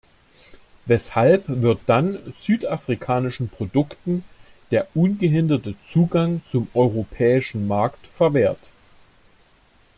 Weshalb wird dann südafrikanischen Produkten der ungehinderte Zugang zum europäischen Markt verwehrt?